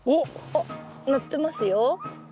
あっなってますよ。